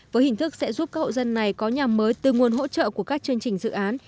với hình thức sẽ giúp các hộ dân này có nhà mới từ nguồn hỗ trợ của các chương trình dự án